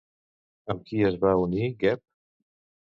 Amb qui es va unir Geb?